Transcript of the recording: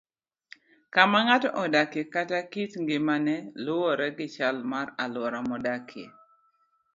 Kama ng'ato odakie kata kit ngimane luwore gi chal mar alwora modakie.